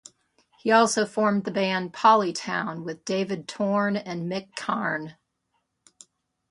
He also formed the band Polytown with David Torn and Mick Karn.